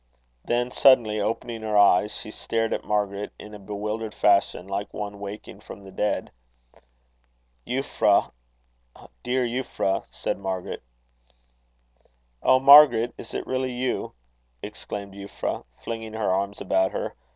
Then suddenly opening her eyes, she stared at Margaret in a bewildered fashion, like one waking from the dead. "Euphra! dear Euphra!" said Margaret. "Oh, Margaret! is it really you?" exclaimed Euphra, flinging her arms about her.